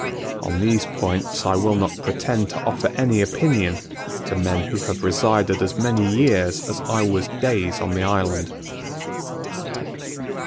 On these points I will not pretend to offer any opinion to men who have resided as many years as I was days on the island.